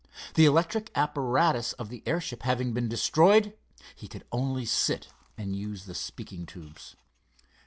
The electric apparatus of the airship having been destroyed, he could only sit and use the speaking tubes.